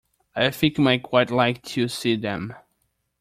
I think you might quite like to see them.